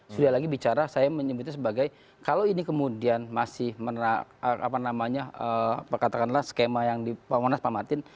sudah lagi bicara saya menyebutnya sebagai kalau ini kemudian masih menerang apa namanya katakanlah skema yang di pamanas pak martin